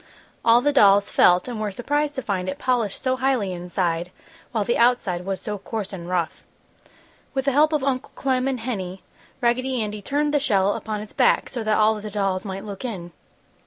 All the dolls felt and were surprised to find it polished so highly inside, while the outside was so coarse and rough. With the help of Uncle Clem and Henny, Raggedy Andy turned the shell upon its back, so that all the dolls might look in.